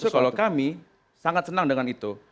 kalau kami sangat senang dengan itu